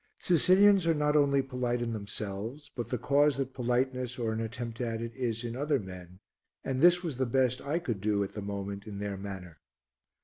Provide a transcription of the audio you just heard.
Sicilians are not only polite in themselves, but the cause that politeness or an attempt at it, is in other men; and this was the best I could do at the moment in their manner.